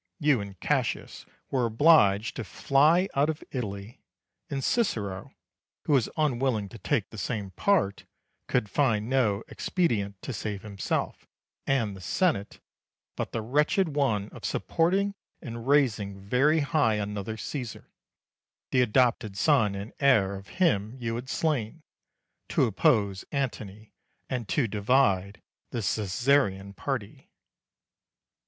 You and Cassius were obliged to fly out of Italy, and Cicero, who was unwilling to take the same part, could find no expedient to save himself and the Senate but the wretched one of supporting and raising very high another Caesar, the adopted son and heir of him you had slain, to oppose Antony and to divide the Caesarean party.